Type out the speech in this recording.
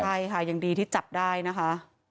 ใช่ค่ะยังดีที่จับได้นะคะ